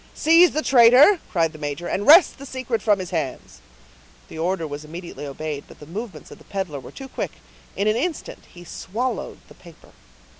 "Seize the traitor!" cried the major, "and wrest the secret from his hands." The order was immediately obeyed; but the movements of the peddler were too quick; in an instant he swallowed the paper.